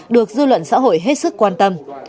được dư luận xã hội hết sức quan tâm